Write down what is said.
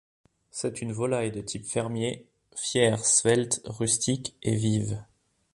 C'est une volaille de type fermier, fière, svelte, rustique et vive.